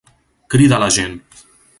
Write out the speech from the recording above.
Crida la gent!